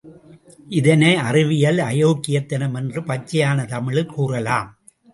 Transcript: இதனை அறிவியல் அயோக்யத்தனம் என்று பச்சையான தமிழில் கூறலாம்.